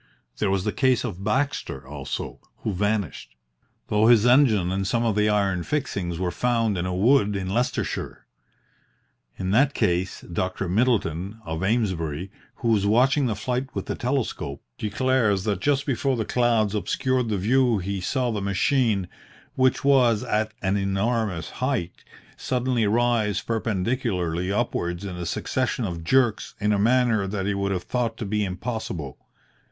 There was the case of Baxter also, who vanished, though his engine and some of the iron fixings were found in a wood in Leicestershire. In that case, Dr. Middleton, of Amesbury, who was watching the flight with a telescope, declares that just before the clouds obscured the view he saw the machine, which was at an enormous height, suddenly rise perpendicularly upwards in a succession of jerks in a manner that he would have thought to be impossible.